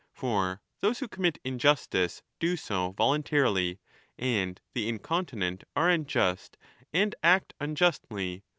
For those who commit injustice do so voluntarily, and the incontinent are unjust and act unjustly.